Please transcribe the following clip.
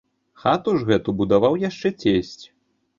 Хату ж гэту будаваў яшчэ цесць.